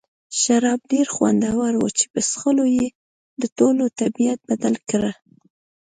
شراب ډېر خوندور وو چې په څښلو یې د ټولو طبیعت بدل کړ.